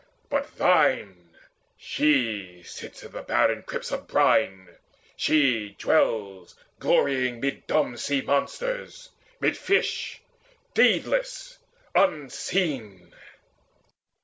But thine She sits in barren crypts of brine: she dwells Glorying mid dumb sea monsters and mid fish, Deedless, unseen!